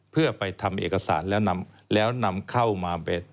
เพื่อไปทำเอกสารแล้วนำเข้ามา